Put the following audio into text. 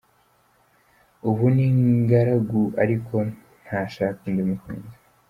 Ubu ni ingaragu ariko ntashaka undi mukunzi.